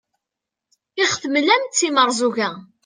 i aɣ-temlam d timerẓuga